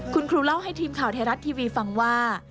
คุณครูเล่าให้ทีมข่าวไทยรัฐทีวีฟังว่า